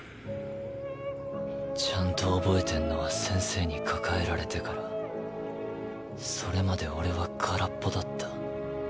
現在ちゃんと覚えてんのは先生に抱えられてからそれまで俺はカラッポだった。